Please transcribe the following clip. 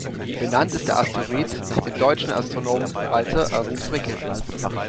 Benannt ist der Asteroid nach dem deutschen Astronomen Walter Ernst Fricke.